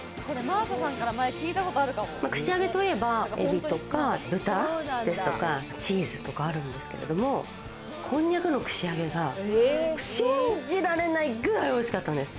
串揚げといえばエビとか豚ですとかチーズとかあるんですけど、こんにゃくの串揚げが信じられないぐらい美味しかったんです。